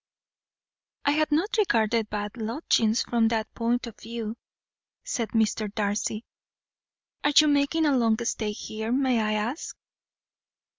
"I had not regarded Bath lodgings from that point of view," said Mr. Darcy. "Are you making a long stay here, may I ask?"